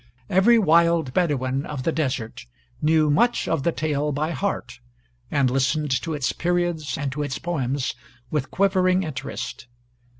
Every wild Bedouin of the desert knew much of the tale by heart, and listened to its periods and to its poems with quivering interest.